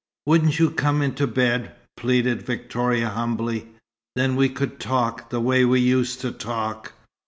"Wouldn't you come into bed?" pleaded Victoria humbly. "Then we could talk, the way we used to talk."